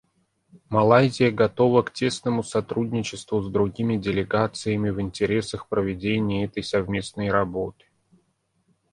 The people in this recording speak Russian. Малайзия готова к тесному сотрудничеству с другими делегациями в интересах проведения этой совместной работы.